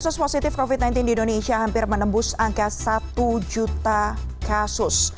kasus positif covid sembilan belas di indonesia hampir menembus angka satu juta kasus